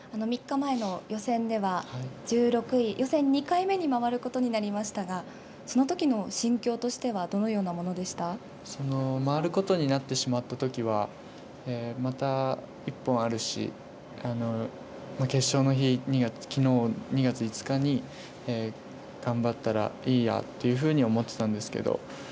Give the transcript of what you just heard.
３日前の予選では１６位、予選２回目に回ることになりましたが、そのときの心境としてはどのよう回ることになってしまったときは、また一本あるし、決勝の日、きのう２月５日に頑張ったらいいやというふうに思ってたんですけど。